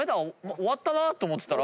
終わったなと思ってたら。